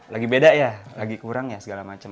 lagi beda ya lagi kurang ya segala macam